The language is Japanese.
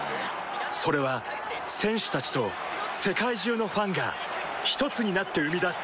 それは選手たちと世界中のファンがひとつになって生み出す